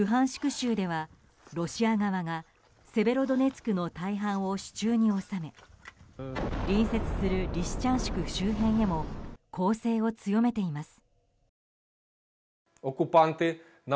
州ではロシア側がセベロドネツクの大半を手中に収め隣接するリシチャンシク周辺へも攻勢を強めています。